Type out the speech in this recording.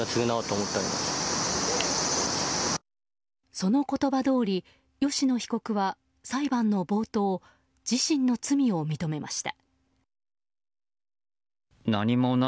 その言葉どおり吉野被告は裁判の冒頭自身の罪を認めました。